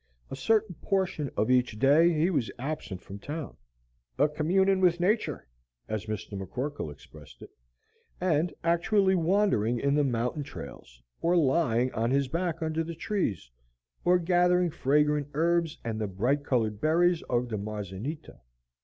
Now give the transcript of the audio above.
A certain portion of each day he was absent from town, "a communin' with natur'," as Mr. McCorkle expressed it, and actually wandering in the mountain trails, or lying on his back under the trees, or gathering fragrant herbs and the bright colored berries of the Marzanita.